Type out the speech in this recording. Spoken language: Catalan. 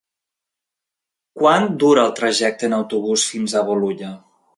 Quant dura el trajecte en autobús fins a Bolulla?